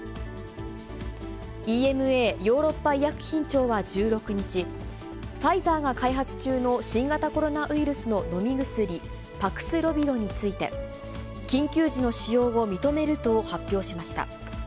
ＥＭＡ・ヨーロッパ医薬品庁は１６日、ファイザーが開発中の新型コロナウイルスの飲み薬、パクスロビドについて、緊急時の使用を認めると発表しました。